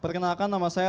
perkenalkan nama saya